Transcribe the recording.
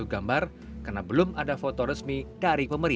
jadi kalau udah ada resminya baru